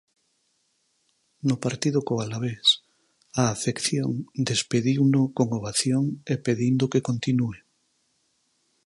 No partido co Alavés, a afección despediuno con ovación e pedindo que continúe.